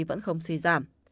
vẫn không suy giảm